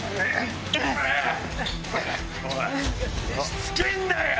しつけぇんだよ！